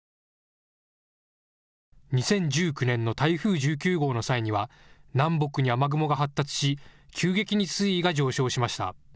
２０１９年の台風１９号の際には南北に雨雲が発達し急激に水位が上昇しました。